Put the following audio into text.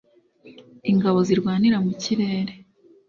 ingabo zirwanira mu kirere